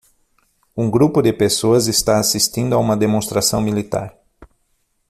Um grupo de pessoas está assistindo a uma demonstração militar.